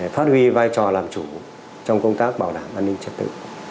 phát huy vai trò làm chủ trong công tác bảo đảm an ninh trật tự